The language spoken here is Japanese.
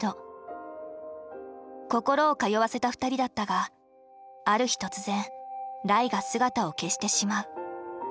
心を通わせた２人だったがある日突然ライが姿を消してしまう。